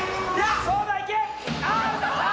そうだいけ！